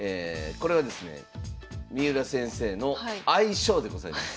これはですね三浦先生の愛称でございます。